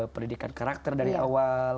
pendidikan karakter dari awal